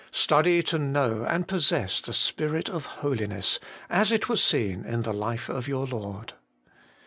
Study to know and possess the Spirit of holiness as it was seen in the life of your Lord.